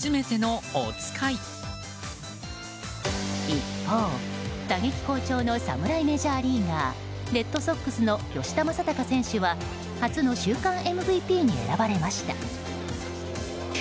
一方、打撃好調の侍メジャーリーガーレッドソックスの吉田正尚選手は初の週間ＭＶＰに選ばれました。